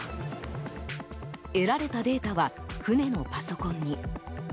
得られたデータは船のパソコンに。